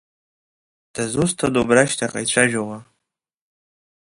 Дызусҭада убра ашьҭахьҟа ицәажәауа?